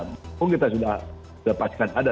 mungkin kita sudah lepaskan ada